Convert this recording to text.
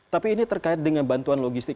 tapi ini terkait dengan bantuan logistik